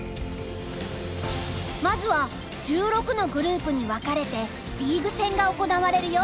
まずは１６のグループに分かれてリーグ戦が行われるよ。